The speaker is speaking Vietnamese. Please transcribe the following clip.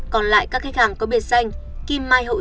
còn lại các khách hàng có biệt danh kim mai hậu gia